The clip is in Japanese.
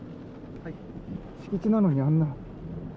敷地なのにあんな。